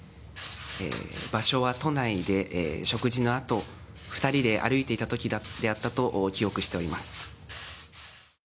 場所は都内で、食事のあと、２人で歩いていたときであったと記憶しております。